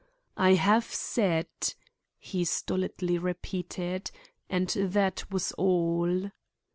"I have said," he stolidly repeated; and that was all.